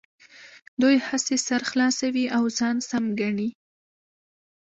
دوی هسې سر خلاصوي او ځان سم ګڼي.